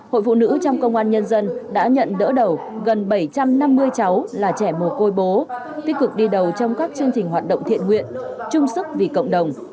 hội phụ nữ trong công an nhân dân đã nhận đỡ đầu gần bảy trăm năm mươi cháu là trẻ mồ côi bố tích cực đi đầu trong các chương trình hoạt động thiện nguyện chung sức vì cộng đồng